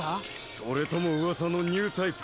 それともうわさのニュータイプか。